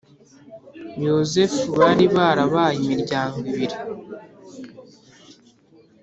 Yozefu bari barabaye imiryango ibiri